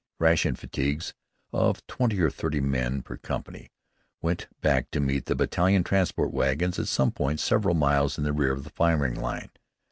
Ration fatigues of twenty or thirty men per company went back to meet the battalion transport wagons at some point several miles in rear of the firing line.